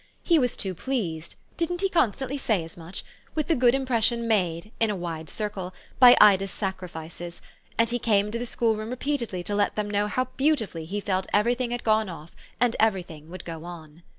He was too pleased didn't he constantly say as much? with the good impression made, in a wide circle, by Ida's sacrifices; and he came into the schoolroom repeatedly to let them know how beautifully he felt everything had gone off and everything would go on.